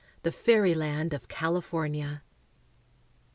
THE FAIRYLAND OF CALIFORNIA.